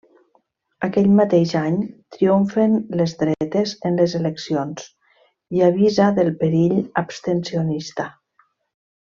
Aquell mateix any triomfen les dretes en les eleccions i avisa del perill abstencionista.